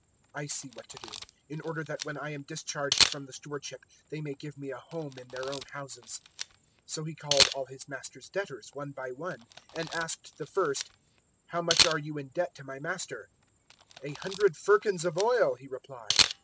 016:004 I see what to do, in order that when I am discharged from the stewardship they may give me a home in their own houses.' 016:005 "So he called all his master's debtors, one by one, and asked the first, `How much are you in debt to my master?' 016:006 "`A hundred firkins of oil,' he replied.